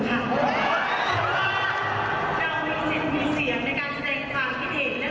เพราะว่าเรามีสิทธิ์มีเสียงในการแสดงความพิเศษ